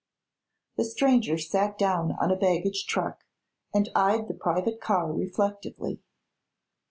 The stranger sat down on a baggage truck and eyed the private car reflectively.